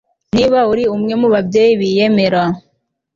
niba uri umwe mubabyeyi biyemera